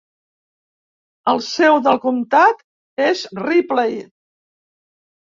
El seu del comtat és Ripley.